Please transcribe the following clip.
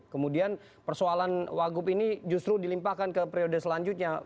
kemudian persoalan wagub ini justru dilimpahkan ke periode selanjutnya